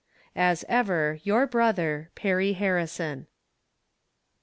As ever your brother, Pekky Haheison.